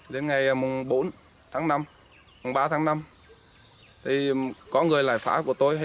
đến ngày bốn tháng năm ba tháng năm có người lại phá của tôi